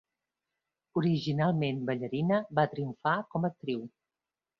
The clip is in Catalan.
Originalment ballarina, va triomfar com a actriu.